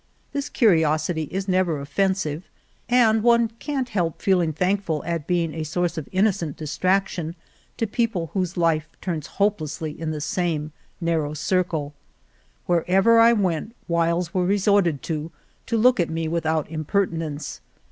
This curiosity is never offensive, and one can't help feeling thankful at being a source of innocent distraction to people whose life turns hopelessly in the same nar row circle. Wherever I went wiles were resorted to to look at me without imperti nence.